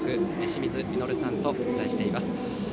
清水稔さんとお伝えしています。